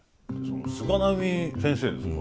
菅波先生ですか？